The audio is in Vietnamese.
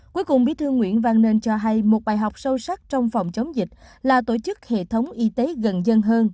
cuối cùng bí thư nguyễn văn nên cho hay một bài học sâu sắc trong phòng chống dịch là tổ chức hệ thống y tế gần dân hơn